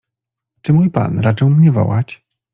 Czy mój pan raczył mnie wołać?